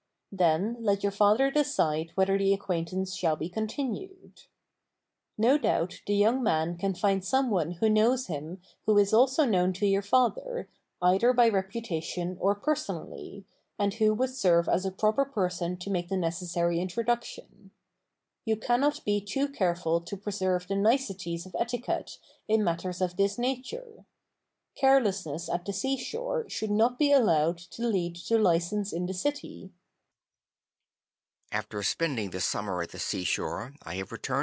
Then let your father decide whether the acquaintance shall be continued. No doubt the young man can find some one who knows him who is also known to your father either by reputation or personally, and who would serve as a proper person to make the necessary introduction. You cannot be too careful to preserve the niceties of etiquette in matters of this nature. Carelessness at the seashore should not be allowed to lead to license in the city.